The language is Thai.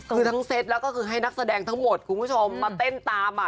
คือทั้งเซตแล้วก็คือให้นักแสดงทั้งหมดคุณผู้ชมมาเต้นตามอ่ะ